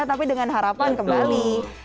tapi dengan harapan kembali